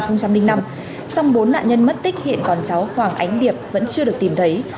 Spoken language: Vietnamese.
trong bốn nạn nhân mất tích hiện còn cháu hoàng ánh điệp vẫn chưa được tìm thấy